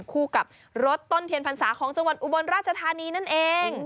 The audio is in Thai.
คู่กับรถต้นเทียนพรรษาของจังหวัดอุบลราชธานีนั่นเอง